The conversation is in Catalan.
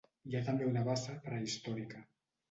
Hi ha també una bassa prehistòrica.